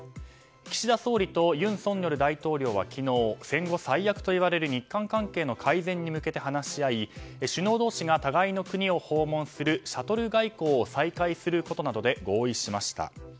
岸田総理と尹錫悦大統領は昨日戦後最悪と言われる日韓関係の改善に向けて話し合い首脳同士が互いの国を訪問するシャトル外交を再開することなどで合意しました。